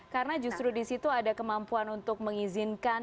karena justru di situ ada kemampuan untuk mengizinkan